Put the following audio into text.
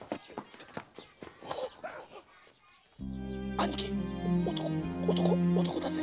兄貴男男だぜ！